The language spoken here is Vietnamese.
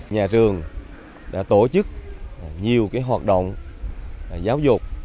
nhà trường đã tổ chức nhiều hoạt động giáo dục